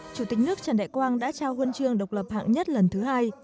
chủ tịch nước trần đại quang đã trao huân chương độc lập hạng nhất lần thứ hai